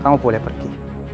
kamu boleh pergi